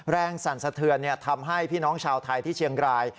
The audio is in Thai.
สั่นสะเทือนทำให้พี่น้องชาวไทยที่เชียงราย